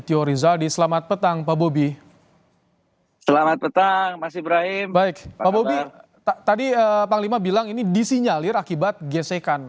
tadi panglima bilang ini disinyalir akibat gesekan